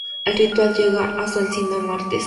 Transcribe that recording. El ritual llega a su cima el martes.